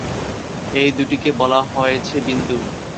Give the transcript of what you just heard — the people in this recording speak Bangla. এই দুটিকে বলা হয়েছে ‘বিন্দু’।